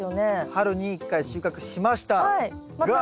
春に１回収穫しました。